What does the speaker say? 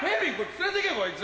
連れてけこいつ。